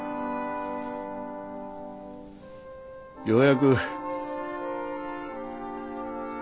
ようやく。